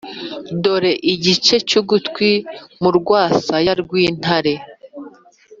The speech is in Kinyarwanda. dore igice cy’ugutwi mu rwasaya rw’intare,